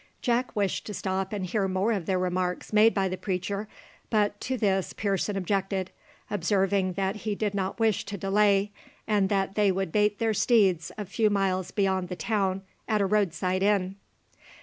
Jack wished to stop and hear more of the remarks made by the preacher, but to this Pearson objected, observing that he did not wish to delay, and that they would bait their steeds a few miles beyond the town, at a roadside inn.